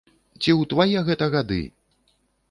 Ці ў твае гэта гады!